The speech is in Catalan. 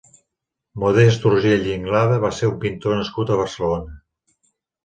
Modest Urgell i Inglada va ser un pintor nascut a Barcelona.